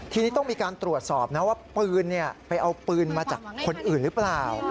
ทีนี้ต้องมีการตรวจสอบนะว่าปืนไปเอาปืนมาจากคนอื่นหรือเปล่า